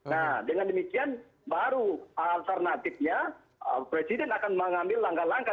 nah dengan demikian baru alternatifnya presiden akan mengambil langkah langkah